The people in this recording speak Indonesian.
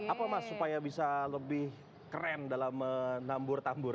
apa mas supaya bisa lebih keren dalam menambur tambur